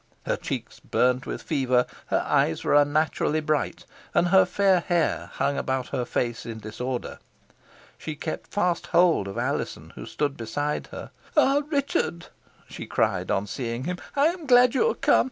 Her cheeks burnt with fever, her eyes were unnaturally bright, and her fair hair hung about her face in disorder. She kept fast hold of Alizon, who stood beside her. "Ah, Richard!" she cried on seeing him, "I am glad you are come.